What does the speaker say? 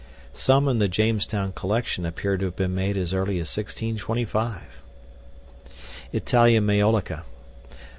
Some in the Jamestown collection appear to have been made as early as 1625. Italian Maiolica.